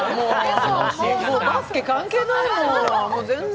バスケ関係ないもんもう全然。